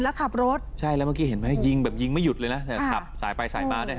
แล้วขับรถใช่แล้วเมื่อกี้เห็นไหมยิงอยู่ไม่หยุดสายไปสายมา